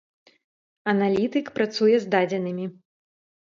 Аналітык працуе з дадзенымі.